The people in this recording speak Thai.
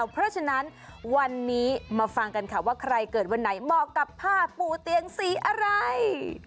เพราะฉะนั้นวันนี้มาฟังกันค่ะว่าใครเกิดวันไหนเหมาะกับผ้าปูเตียงสีอะไร